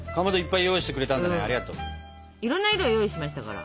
いろんな色用意しましたから。